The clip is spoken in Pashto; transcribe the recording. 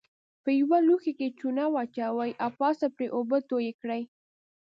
په یوه لوښي کې چونه واچوئ او پاسه پرې اوبه توی کړئ.